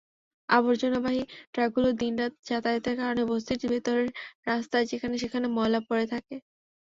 আবর্জনাবাহী ট্রাকগুলোর দিন-রাত যাতায়াতের কারণে বস্তির ভেতরের রাস্তার যেখানে-সেখানে ময়লা পড়ে থাকে।